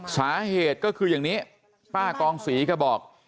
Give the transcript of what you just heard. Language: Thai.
สาเหตุก็คืออย่างนี้ป้ากองศรีก็บอก